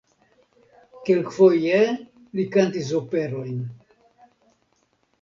Kelkfoje li kantis operojn.